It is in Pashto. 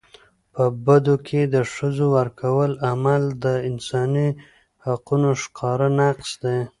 په بدو کي د ښځو ورکولو عمل د انساني حقونو ښکاره نقض دی.